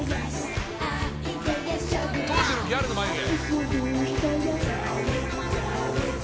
「当時のギャルの眉毛」